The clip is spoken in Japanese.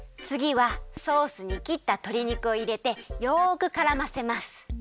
つぎはソースにきったとり肉をいれてよくからませます。